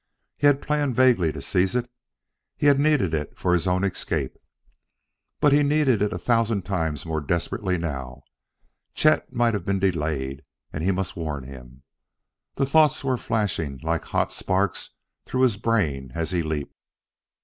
He had planned vaguely to seize it; he had needed it for his own escape; but he needed it a thousand times more desperately now. Chet might have been delayed, and he must warn him.... The thoughts were flashing like hot sparks through his brain as he leaped.